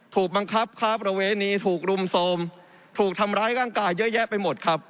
ถูกบังคับค้าประเวณีถูกรุมโทรมถูกทำร้ายร่างกายเยอะแยะไปหมดครับ